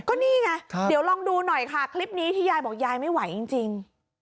ก็นี่ไงเดี๋ยวลองดูหน่อยค่ะคลิปนี้ที่ยายบอกยายไม่ไหวจริง